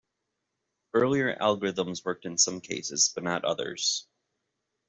Earlier algorithms worked in some cases but not others.